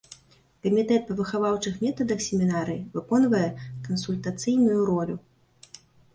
Камітэт па выхаваўчых метадах семінарыі выконвае кансультацыйную ролю.